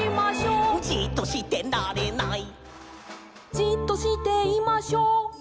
「じっとしていましょう」